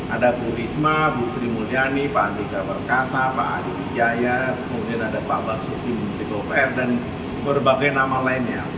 ada bu risma bu sri mulyani pak andika perkasa pak adi wijaya kemudian ada pak basuki menteri dan berbagai nama lainnya